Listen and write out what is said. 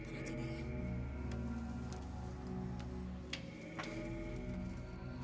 ntar aja deh